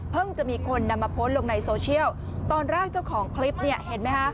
จะมีคนนำมาโพสต์ลงในโซเชียลตอนแรกเจ้าของคลิปเนี่ยเห็นไหมคะ